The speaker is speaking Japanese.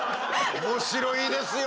面白いですよ。